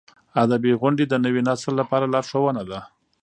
ادبي غونډې د نوي نسل لپاره لارښوونه ده.